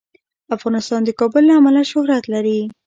افغانستان د کابل له امله شهرت لري.